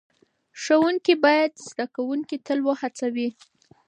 ښوونکي باید زده کوونکي تل وهڅوي.